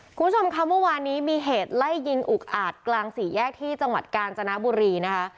คุณผู้ชมค่ะเมื่อวานนี้มีเหตุไล่ยิงอุกอาจกลางสี่แยกที่จังหวัดกาญจนบุรีนะคะ